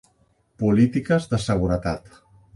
Polítiques de Seguretat.